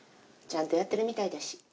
ちゃんとやってるみたいだし。